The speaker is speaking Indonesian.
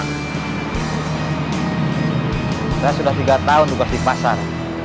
saya sudah tiga tahun tugas di pasar